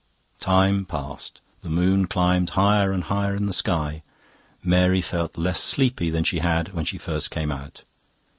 Time passed; the moon climbed higher and higher in the sky. Mary felt less sleepy than she had when she first came out.